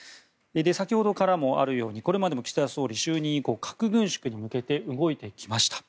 先ほどからもあるようにこれまでも岸田総理就任以降、核軍縮に向けて動いてきました。